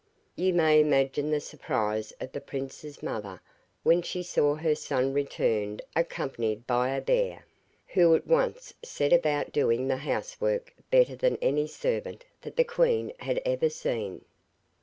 You may imagine the surprise of the prince's mother when she saw her son return accompanied by a bear, who at once set about doing the house work better than any servant that the queen had ever seen.